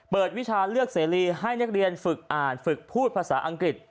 วิชาเลือกเสรีให้นักเรียนฝึกอ่านฝึกพูดภาษาอังกฤษ